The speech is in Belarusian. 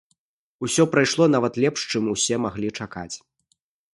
Усё прайшло нават лепш, чым усе маглі чакаць.